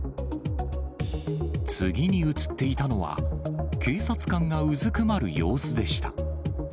次に写っていたのは、警察官がうずくまる様子でした。